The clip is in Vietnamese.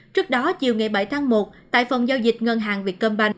trước đó chiều ngày bảy tháng một tại phòng giao dịch ngân hàng vietcombank